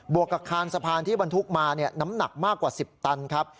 วกกับคานสะพานที่บรรทุกมาน้ำหนักมากกว่า๑๐ตันครับ